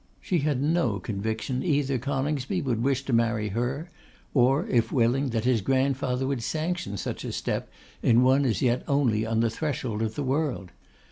She had no conviction that either Coningsby would wish to marry her, or, if willing, that his grandfather would sanction such a step in one as yet only on the threshold of the world.